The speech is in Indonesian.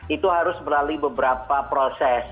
itu harus melalui beberapa proses